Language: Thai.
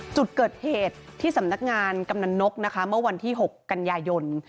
จุดเกิดเหตุที่สำนักงานกำนันนกนะคะเมื่อวันที่๖กันยายน